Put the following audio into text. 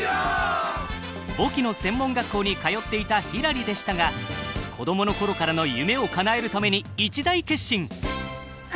簿記の専門学校に通っていたひらりでしたが子供の頃からの夢をかなえるために一大決心。